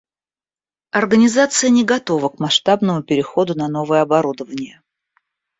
Организация не готова к масштабному переходу на новое оборудование